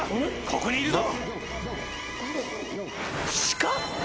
ここにいるぞ！